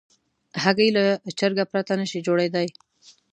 هګۍ له چرګه پرته نشي جوړېدای.